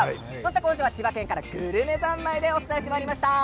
今週は千葉県からグルメ三昧でお伝えしてまいりました。